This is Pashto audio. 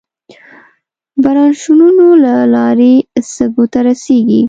برانشونو له لارې سږو ته رسېږي.